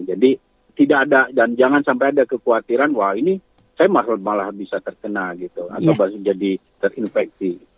jadi tidak ada dan jangan sampai ada kekhawatiran wah ini saya malah bisa terkena gitu atau jadi terinfeksi